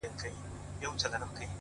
خو هغه ليونۍ وايي!!